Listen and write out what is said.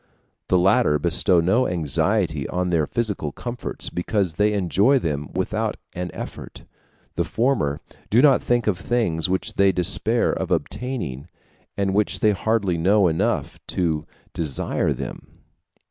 The latter bestow no anxiety on their physical comforts, because they enjoy them without an effort; the former do not think of things which they despair of obtaining, and which they hardly know enough of to desire them.